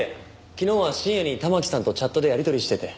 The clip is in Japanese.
昨日は深夜に環さんとチャットでやり取りしてて。